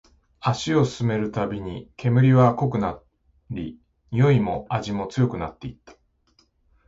足を進めるたびに、煙は濃くなり、においも味も強くなっていった